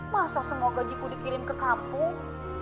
masa semoga gajiku dikirim ke kampung